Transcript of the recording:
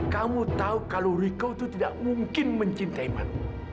kamu tahu kalau riko itu tidak mungkin mencintai mano